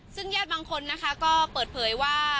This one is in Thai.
ซึ่งญาติบางคนนะคะก็เปิดเผยว่า